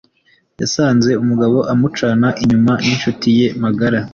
yasanze umugabo amucana inyuma ninshuti ye magara